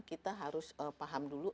kita harus paham dulu